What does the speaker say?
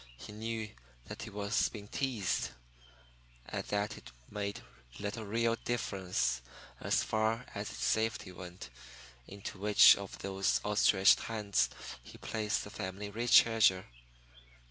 He knew that he was being teased, and that it made little real difference, as far as its safety went, into which of those outstretched hands he placed the family treasure.